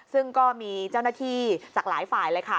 ซึ่งก็มีเจ้าหน้าที่จากหลายฝ่ายเลยค่ะ